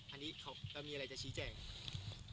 อันนี้เรามีอะไรจะชี้แจง